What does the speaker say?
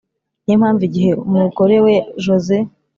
Ni yo mpamvu igihe umugore we Jose